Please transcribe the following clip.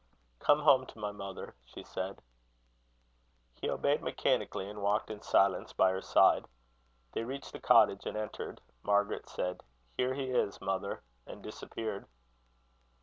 "Come home to my mother," she said. He obeyed mechanically, and walked in silence by her side. They reached the cottage and entered. Margaret said: "Here he is, mother;" and disappeared.